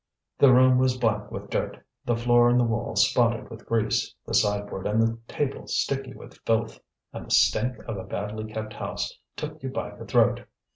The room was black with dirt, the floor and the walls spotted with grease, the sideboard and the table sticky with filth; and the stink of a badly kept house took you by the throat.